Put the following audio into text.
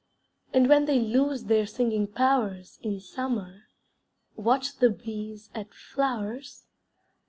And when they lose their singing powers, In summer, watch the bees at flowers?